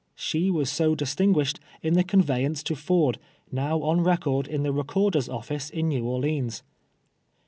She was so distinguished in the conveyance to Ford, now on record in the recorder's office in ISTew Or leans.